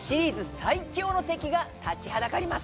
最強の敵が立ちはだかります。